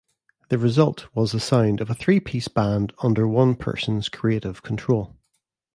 The result was the sound of a three-piece band under one person's creative control.